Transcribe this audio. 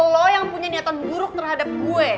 lo yang punya niatan buruk terhadap gue